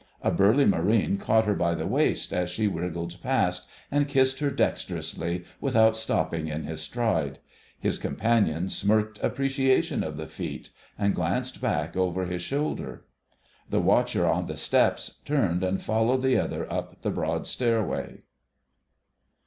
A burly Marine caught her by the waist as she wriggled past, and kissed her dexterously without stopping in his stride. His companion smirked appreciation of the feat, and glanced back over his shoulder.... The watcher on the steps turned and followed the other up the broad stairway.